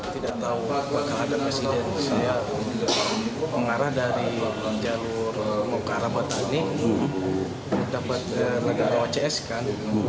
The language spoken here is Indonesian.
tidak tahu pak bakal ada presiden saya mengarah dari jalur mau ke arah batani negara ocs kan